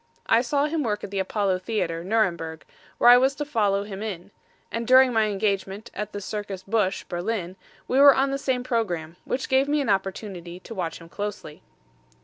I saw him work at the Apollo Theater, Nuremberg, where I was to follow him in; and during my engagement at the Circus Busch, Berlin, we were on the same programme, which gave me an opportunity to watch him closely.